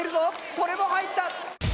これも入った！